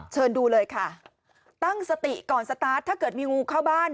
เชิญดูเลยค่ะตั้งสติก่อนสตาร์ทถ้าเกิดมีงูเข้าบ้าน